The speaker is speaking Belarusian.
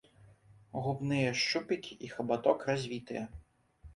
Губныя шчупікі і хабаток развітыя.